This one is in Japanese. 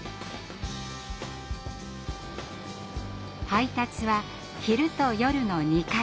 配達は昼と夜の２回。